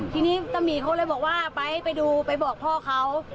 ทีนี้ตะหมี่เขาเลยบอกว่าไปไปดูไปบอกพ่อเขา